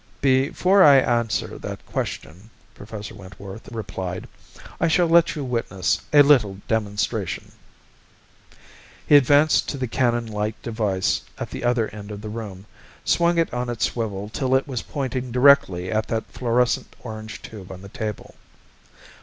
"Before I answer that question," Professor Wentworth replied, "I shall let you witness a little demonstration." He advanced to the cannon like device at the other end of the room, swung it on its swivel till it was pointing directly at that fluorescent orange tube on the table.